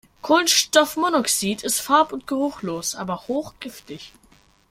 Kohlenstoffmonoxid ist farb- und geruchlos, aber hochgiftig.